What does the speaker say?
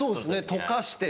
溶かして。